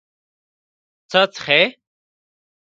څه څښې؟